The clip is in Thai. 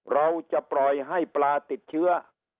เราจะปล่อยให้ปลาติดเชื้อ